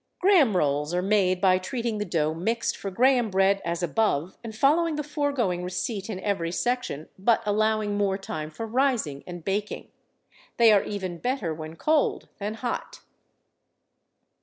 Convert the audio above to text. Graham Rolls Are made by treating the dough mixed for Graham bread as above and following the foregoing receipt in every section, but allowing more time for rising and baking. They are even better when cold than hot.